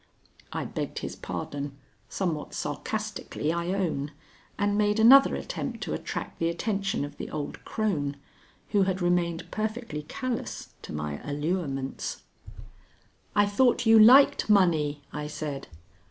I begged his pardon, somewhat sarcastically I own, and made another attempt to attract the attention of the old crone, who had remained perfectly callous to my allurements. "I thought you liked money," I said.